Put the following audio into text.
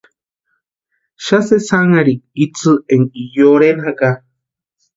Xani sesi janharika itsï énka yorheni jaka.